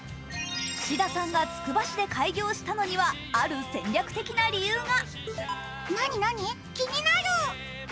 伏田さんがつくば市で開業したのはある先駆的な理由が。